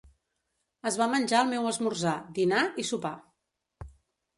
Es va menjar el meu esmorzar, dinar i sopar.